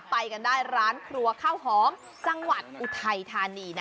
ไปกันได้ร้านครัวข้าวหอมจังหวัดอุทัยธานีนะ